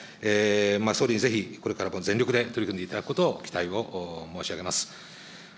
総理にぜひ、これからも全力で取り組んでいただくことを期待を申し上げます。